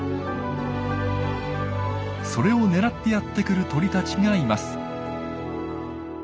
それを狙ってやって来る鳥たちがいます。